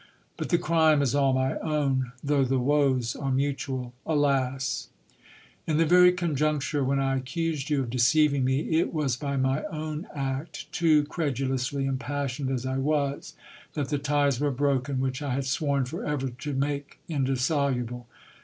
But the crime is all my own, though the woes are mutual. Alas ! In the very conjuncture when I accused you of deceiving me, it was by my own act, too credulously impassioned as I was, that the ties were broken, which I had sworn for ever to make indissoluble.